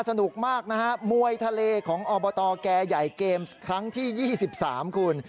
สนุกมากนะฮะมวยทะเลของอบตแก่ใหญ่เกมส์ครั้งที่๒๓คุณ